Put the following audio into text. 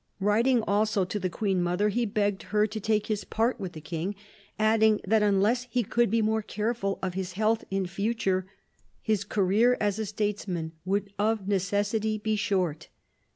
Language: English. Writing also to the Queen mother, he begged her to take his part with the King, adding that unless he could be more careful of his health in future his career as a statesman would of necessity be short.